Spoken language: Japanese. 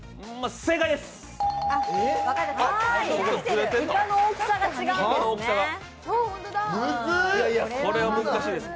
正解です。